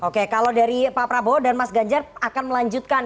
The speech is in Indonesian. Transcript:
oke kalau dari pak prabowo dan mas ganjar akan melanjutkan